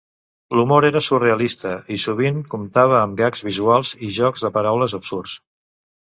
L'humor era surrealista i sovint comptava amb gags visuals i jocs de paraules absurds.